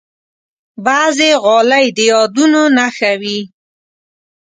بعضې غالۍ د یادونو نښه وي.